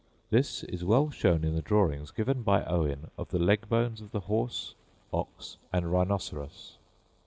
This is well shown in the drawings given by Owen of the leg bones of the horse, ox, and rhinoceros.